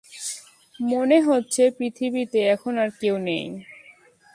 মনে হচ্ছে পৃথিবীতে এখন আর কেউ নেই।